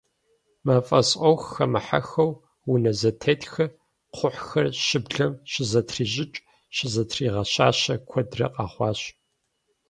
Мафӏэс ӏуэху хэмыхьэххэу, унэ зэтетхэр, кхъухьхэр, щыблэм щызэтрищӏыкӏ, щызэтригъэщащэ куэдрэ къэхъуащ.